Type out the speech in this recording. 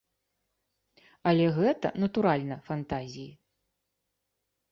Але гэта, натуральна, фантазіі.